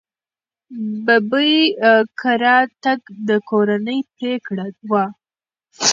ببۍ کره تګ د کورنۍ پرېکړه وه.